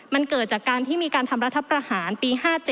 มันเกิดจากการที่มีการทำรัฐประหารปี๕๗